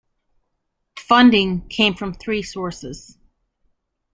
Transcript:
Funding came from three sources.